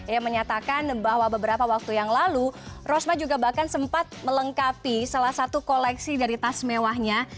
ia menyatakan bahwa beberapa waktu yang lalu rosma juga bahkan sempat melengkapi salah satu koleksi dari tas mewahnya